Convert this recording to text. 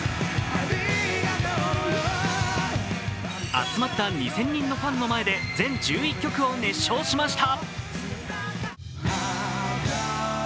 集まった２０００人のファンの前で全１１曲を熱唱しました。